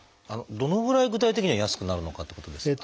どのぐらい具体的には安くなるのかってことですが。